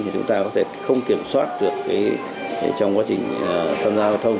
thì chúng ta có thể không kiểm soát được trong quá trình tham gia giao thông